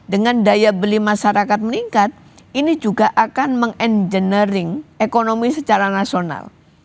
dengan daya beli masyarakat meningkat ini juga akan meng engineering ekonomi secara nasional